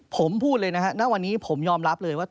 ผมพูดเลยนะฮะณวันนี้ผมยอมรับเลยว่า